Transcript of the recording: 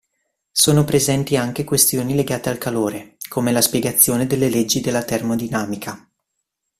Sono presenti anche questioni legate al calore, come la spiegazione delle leggi della termodinamica.